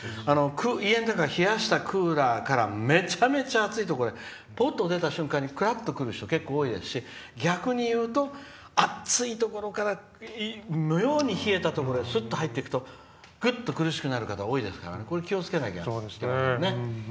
家の中、冷やしたクーラーからめちゃめちゃ暑いところへぽっと出た瞬間にくらっとくる人、結構多いですし逆にいうと暑いところから、冷えたところへすっと入っていくとぐっと苦しくなる方多いですから気をつけなければいけませんね。